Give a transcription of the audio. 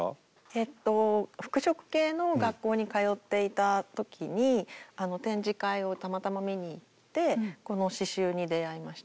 えっと服飾系の学校に通っていた時に展示会をたまたま見に行ってこの刺しゅうに出会いました。